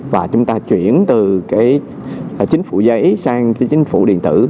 và chúng ta chuyển từ cái chính phủ giấy sang cái chính phủ điện tử